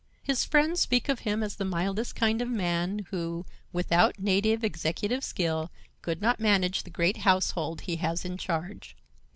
His friends speak of him as the mildest kind of a man who, without native executive skill, could not manage the great household he has in charge.